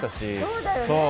そうだよね。